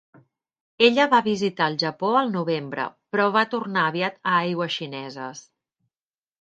Ella va visitar el Japó al novembre, però va tornar aviat a aigües xineses.